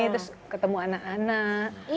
terus ketemu anak anak